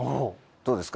どうですか？